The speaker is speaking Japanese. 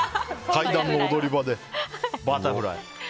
階段の踊り場でバタフライ。